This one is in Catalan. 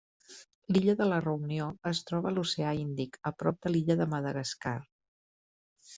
L'illa de la Reunió es troba a l'Oceà Índic, a prop de l'illa de Madagascar.